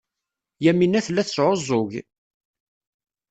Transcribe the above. Yamina tella tesɛuẓẓug.